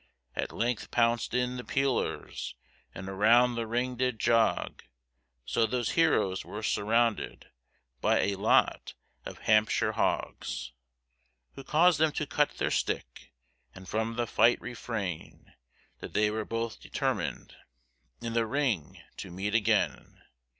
At length bounced in the peelers, And around the ring did jog, So those heroes were surrounded By a lot of Hampshire hogs, Who caused them to cut their stick, And from the fight refrain, That they were both determined In the ring to meet again.